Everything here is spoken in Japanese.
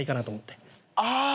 ああ。